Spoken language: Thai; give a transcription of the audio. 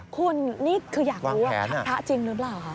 คุณนี่คืออยากรู้ว่าพระจริงหรือเปล่าคะ